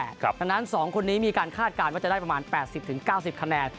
ดังนั้น๒คนนี้มีการคาดการณ์ว่าจะได้ประมาณ๘๐๙๐คะแนน